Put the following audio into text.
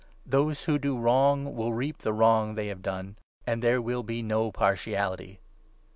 Those who do wrong will reap the wrong they have 25 done ; and there will be no partiality.